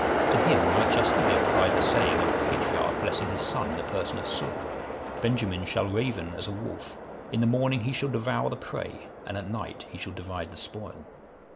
To him might justly be applied the saying of the patriarch blessing his son in the person of Saul, "Benjamin shall ravin as a wolf; in the morning he shall devour the prey, and at night he shall divide the spoil."